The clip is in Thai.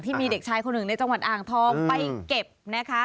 ที่มีเด็กชายคนหนึ่งในจังหวัดอ่างทองไปเก็บนะคะ